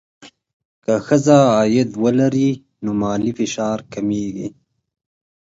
که ښځه عاید ولري، نو مالي فشار کمېږي.